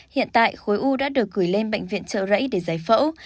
hiện tại khối u đã được gửi lên bệnh viện trợ rẫy để giải phẫu